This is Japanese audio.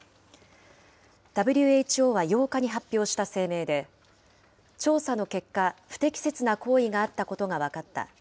ＷＨＯは８日に発表した声明で、調査の結果、不適切な行為があったことが分かった。